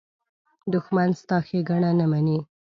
دښمن ستا ښېګڼه نه مني